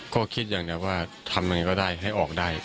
ก็คิดอย่างเดียวว่าทำยังไงก็ได้ให้ออกได้